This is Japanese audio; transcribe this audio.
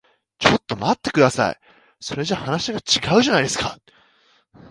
ちょっと待ってください。それじゃ話が違うじゃないですか。